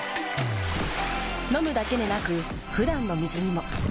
飲むだけでなく普段の水にも。